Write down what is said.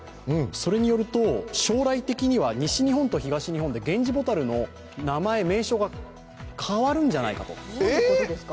それによると、将来的には西日本と東日本でゲンジボタルの名前、名称が変わるんではないかと。